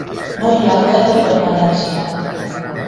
No hi ha dret de permanència.